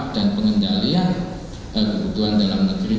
dan pengendalian kebutuhan dalam negeri